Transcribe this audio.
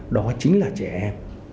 đó chính là trẻ em